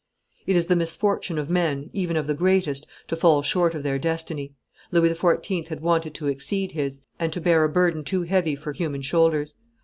It is the misfortune of men, even of the greatest, to fall short of their destiny. Louis XIV. had wanted to exceed his, and to bear a burden too heavy for human shoulders.